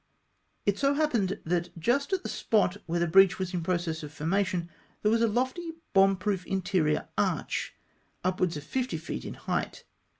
It so happened, that just at the spot where the breach was in process of formation, there was a lofty bomb proof interior arch, upwards of fifty feet in height.